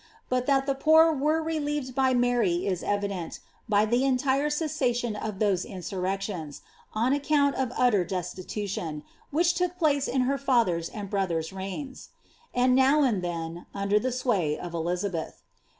But that the poor were relieved hj Mary is evident, by the entire cessation of those ihyurrections, on se count of utter destitution, which took place in her father's and brother^ reigns ; and now and then, under the sway of Elixabeth.